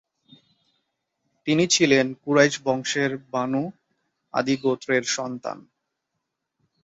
তিনি ছিলেন কুরাইশ বংশের বানু আদি গোত্রের সন্তান।